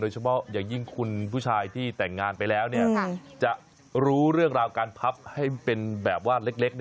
เฉพาะอย่างยิ่งคุณผู้ชายที่แต่งงานไปแล้วจะรู้เรื่องราวการพับให้เป็นแบบว่าเล็ก